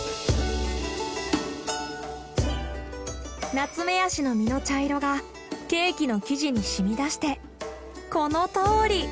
ナツメヤシの実の茶色がケーキの生地にしみ出してこのとおり。